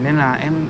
nên là em